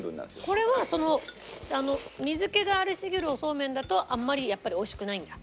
これはその水気がありすぎるおそうめんだとあんまりやっぱり美味しくないんだ。